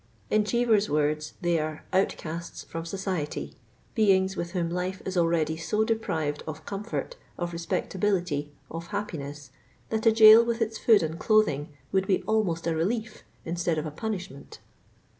In Chee ver's words, they are " outcasts from society, beings with whom life is already so deprived of comfort, of respectability, of hap piness, that a jail with its food and clothing would be almost a relief instead of a punishment."